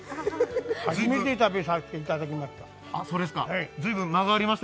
初めて食べさせていただきました。